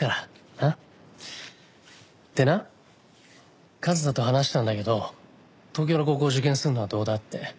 なっ？でな和沙と話したんだけど東京の高校を受験するのはどうだって。